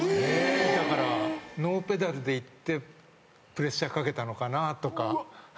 だからノーペダルでいってプレッシャーかけたのかなとか。